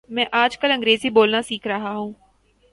میں آج کل انگریزی بولنا سیکھ رہا ہوں